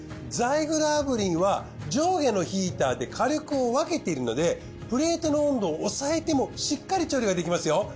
ザイグル炙輪は上下のヒーターで火力を分けているのでプレートの温度を抑えてもしっかり調理ができますよ。